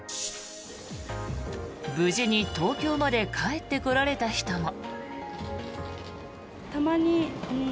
無事に東京まで帰ってこられた人も。